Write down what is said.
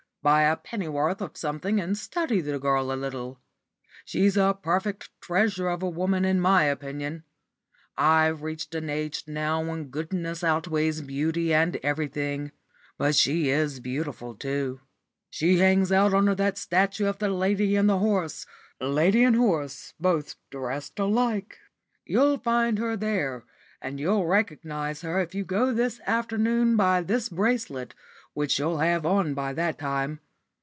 Buy a pennyworth of something and study the girl a little. She's a perfect treasure of a woman in my opinion. I've reached an age now when goodness outweighs beauty and everything. But she is beautiful too. She hangs out under that statue of the lady and the horse lady and horse both dressed alike. You'll find her there, and you'll recognise her if you go this afternoon by this bracelet, which she'll have on by that time.